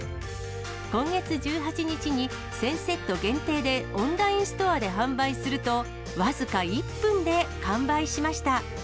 今月１８日に１０００セット限定でオンラインストアで販売すると、僅か１分で完売しました。